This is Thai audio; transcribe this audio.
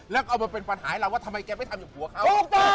แล้วก็เอามาเป็นปัญหาให้เราว่าทำไมแกไม่ทำอย่างผัวเขา